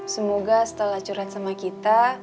semoga setelah curhat sama kita